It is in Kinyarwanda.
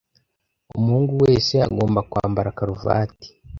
Umuhungu wese agomba kwambara karuvati